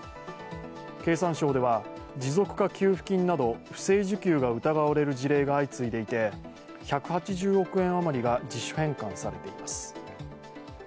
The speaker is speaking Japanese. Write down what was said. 経産省では持続化給付金など不正受給が疑われる事例が相次いでいて、１８０億円あまりが自主返還されています。